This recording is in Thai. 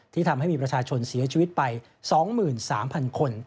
ทำให้มีประชาชนเสียชีวิตไป๒๓๐๐คน